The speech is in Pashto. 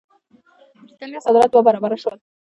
برېټانیا صادرات دوه برابره شول.